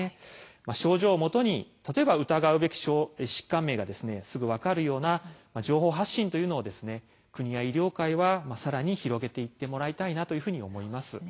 症状をもとに例えば疑うべき疾患名が、すぐ分かるような情報発信というのを国や医療界はさらに広げていってもらいたいと思います。